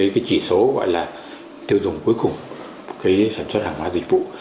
cái chỉ số gọi là tiêu dùng cuối cùng cái sản xuất hàng hóa dịch vụ